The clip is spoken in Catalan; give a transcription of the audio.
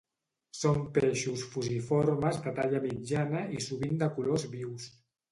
Són peixos fusiformes de talla mitjana i sovint de colors vius.